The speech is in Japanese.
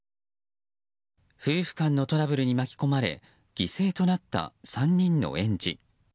夫婦間のトラブルに巻き込まれ犠牲となった３人の園児。